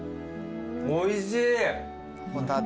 おいしい！